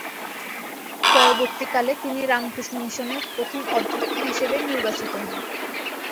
পরবর্তীকালে তিনি রামকৃষ্ণ মিশনের প্রথম অধ্যক্ষ নির্বাচিত হন।